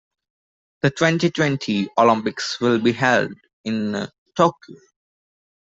The twenty-twenty Olympics will be held in Tokyo.